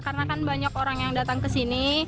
karena kan banyak orang yang datang ke sini